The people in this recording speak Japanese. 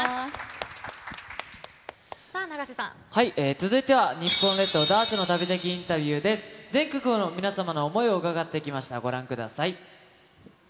続いては、日本列島ダーツの旅的インタビューです。全国の皆様の想いをうかがってきました、ご覧ください。